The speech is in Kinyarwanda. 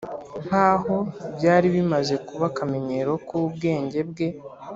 nkaho byari bimaze kuba akamenyero k'ubwenge bwe,